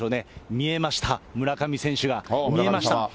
見えました、村上選手が見えました。